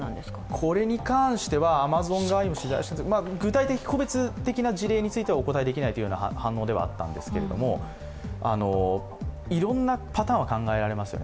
これに関してはアマゾン側にも取材したんですが個別的な事例についてはお答えできないという反応ではあったんですけどいろんなパターンは考えられますよね。